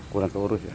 kurang keurus ya